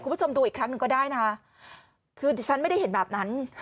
คุณผู้ชมดูอีกครั้งหนึ่งก็ได้นะคือดิฉันไม่ได้เห็นแบบนั้น